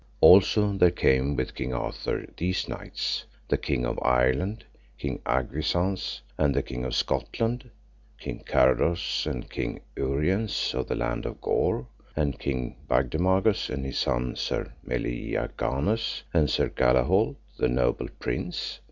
Also there came with King Arthur these knights, the King of Ireland, King Agwisance, and the King of Scotland, King Carados and King Uriens of the land of Gore, and King Bagdemagus and his son Sir Meliaganus, and Sir Galahault the noble prince.